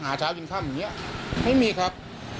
หาช้ากินค่าแบบนี้ไม่มีครับ